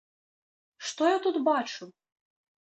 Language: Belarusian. Што я тут бачу?